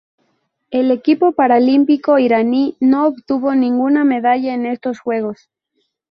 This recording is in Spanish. El equipo paralímpico iraní no obtuvo ninguna medalla en estos Juegos.